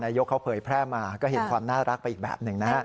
ยกเขาเผยแพร่มาก็เห็นความน่ารักไปอีกแบบหนึ่งนะฮะ